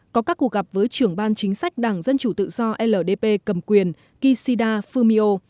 có các cuộc gặp với trưởng ban chính sách đảng dân chủ tự do ldp cầm quyền kishida fumio